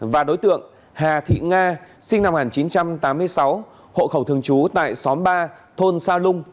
và đối tượng hà thị nga sinh năm một nghìn chín trăm tám mươi sáu hộ khẩu thường trú tại xóm ba thôn sa lung